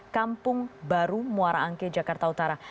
kampung baru muara angke jakarta utara